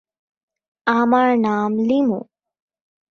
তার বাবা ছিলেন একজন প্রকৌশলী, তার মা ছিলেন একজন হিসাবরক্ষক।